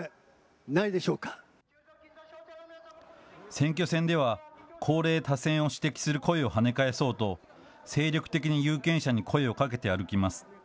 選挙戦では高齢多選を指摘する声をはね返そうと、精力的に有権者に声をかけて歩きます。